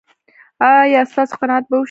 ایا ستاسو قناعت به وشي؟